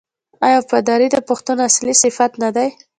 آیا وفاداري د پښتون اصلي صفت نه دی؟